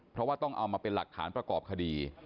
เพราะว่าต้องเอามาเป็นหลักฐานประกอบคดี